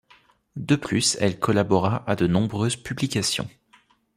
De plus, elle collabora à de nombreuses publications.